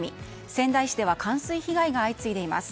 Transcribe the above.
仙台市では冠水被害が相次いでいます。